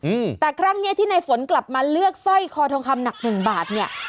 อืมแต่ครั้งเนี้ยที่ในฝนกลับมาเลือกสร้อยคอทองคำหนักหนึ่งบาทเนี้ย